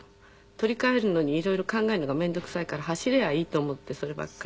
取り換えるのにいろいろ考えるのが面倒くさいから走りゃあいいと思ってそればっかり。